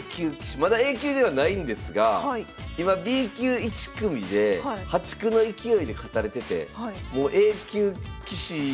まだＡ級ではないんですが今Ｂ級１組で破竹の勢いで勝たれててもうＡ級棋士目前。